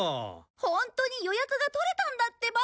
ホントに予約が取れたんだってば！